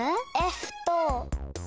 Ｆと。